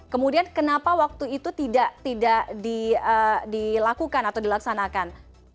kemudian kenapa waktu itu tidak dilakukan atau dilaksanakan